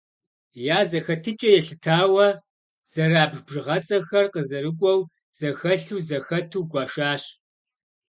Я зэхэтыкӀэ елъытауэ зэрабж бжыгъэцӀэхэр къызэрыкӀуэу, зэхэлъу, зэхэту гуэшащ.